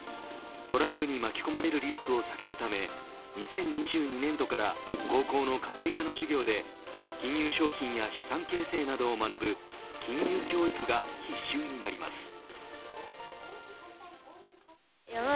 トラブルに巻き込まれるリスクを避けるため２０２２年度から高校の家庭科の授業で金融商品や資産形成などを学ぶ金融教育が必修になります。